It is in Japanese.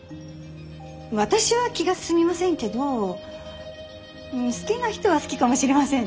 私は気が進みませんけど好きな人は好きかもしれませんね。